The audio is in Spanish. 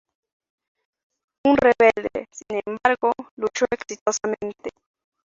Un rebelde, sin embargo, luchó exitosamente.